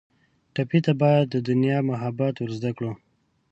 ټپي ته باید له دنیا محبت ور زده کړو.